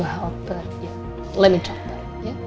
tapi ya biar aku bicara